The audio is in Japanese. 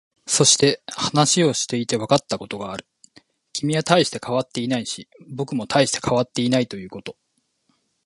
そして、話をしていてわかったことがある。君は大して変わっていないし、僕も大して変わっていないということ。